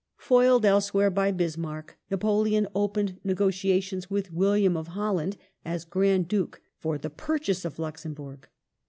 Foiled else y* where by Bismarck, Napoleon opened negotiations with William of Holland as Grand Duke for the purchase of Luxemburg.